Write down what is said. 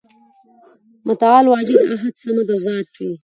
متعال واجد، احد، صمد او ذات دی ،